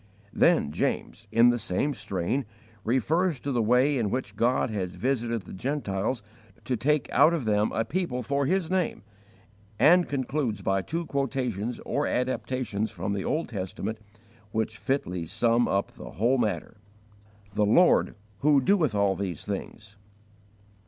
Then James, in the same strain, refers to the way in which God had visited the Gentiles to take out of them a people for His name; and concludes by two quotations or adaptations from the Old Testament, which fitly sum up the whole matter: "The Lord who doeth all these things."